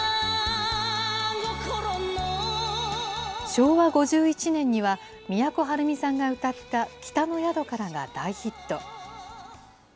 昭和５１年には、都はるみさんが歌った北の宿からが大ヒット。